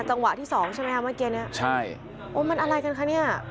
จังหวะที่สองใช่ไหมคะเมื่อกี้เนี้ยใช่โอ้มันอะไรกันคะเนี่ย